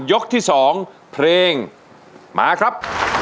ยกที่๒เพลงมาครับ